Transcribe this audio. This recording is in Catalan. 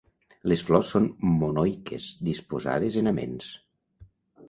Les flors són monoiques, disposades en aments.